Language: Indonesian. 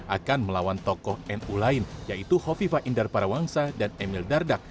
akan melawan tokoh nu lain yaitu hovifa indar parawangsa dan emil dardak